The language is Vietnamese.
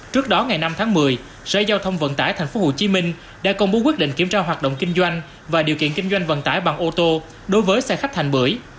trước đó ngày năm tháng một mươi sở giao thông vận tải tp hcm đã công bố quyết định kiểm tra hoạt động kinh doanh và điều kiện kinh doanh vận tải bằng ô tô đối với xe khách thành bưởi